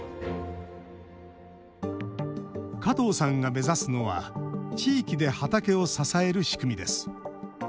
加藤さんが目指すのは地域で畑を支える仕組みです。